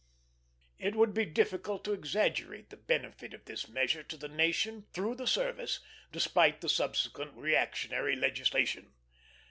It would be difficult to exaggerate the benefit of this measure to the nation, through the service, despite the subsequent reactionary legislation.